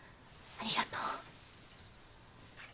ありがとう。